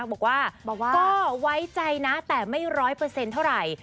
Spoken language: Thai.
บอกว่าก็ไว้ใจนะแต่ไม่ร้อยเปอร์เซ็นต์เท่าไหร่